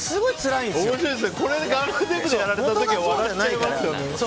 これガムテープでやられたら笑っちゃいますよね。